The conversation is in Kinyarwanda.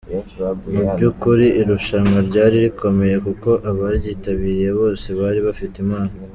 Mu by’ukuri irushanwa ryari rikomeye kuko abaryitabiriye bose bari bafite impano.